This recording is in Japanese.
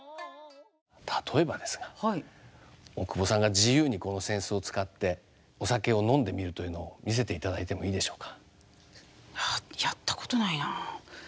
例えばですが大久保さんが自由にこの扇子を使ってお酒を飲んでみるというのを見せていただいてもいいでしょうか？